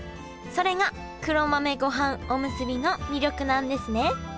それが黒豆ごはんおむすびの魅力なんですね